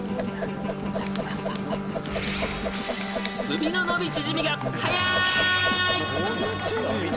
［首の伸び縮みがはやい！］